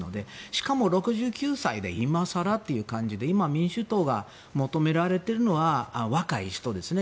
しかも６９歳で今更という感じで今、民主党が求められているのは若い人ですね